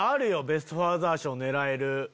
ベスト・ファーザー賞狙える。